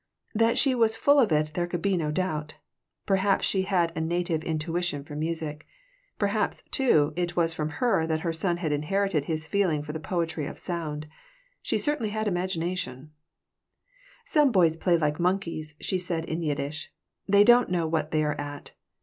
That she was full of it there could be no doubt. Perhaps she had a native intuition for music. Perhaps, too, it was from her that her son had inherited his feeling for the poetry of sound. She certainly had imagination "Some boys play like monkeys," she said in Yiddish. "They don't know what they are at.